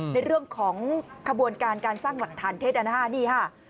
ในเรื่องของขบวนการการสร้างหวังฐานเทศอันที่๕นี้ค่ะ